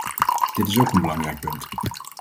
Dit is ook een belangrijk punt.